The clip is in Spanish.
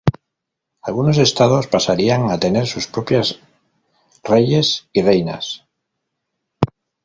Algunos estados pasarían a tener sus propias reyes y reinas.